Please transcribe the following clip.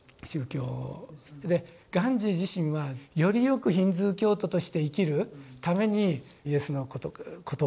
ガンジー自身はよりよくヒンズー教徒として生きるためにイエスの言葉